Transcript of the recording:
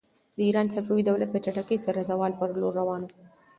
د ایران صفوي دولت په چټکۍ سره د زوال پر لور روان و.